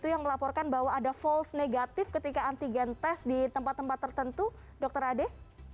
yang melaporkan bahwa ada false negatif ketika antigen tes di tempat tempat tertentu dokter ade